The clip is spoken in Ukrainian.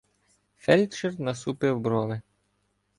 Фельдшер насупив брови.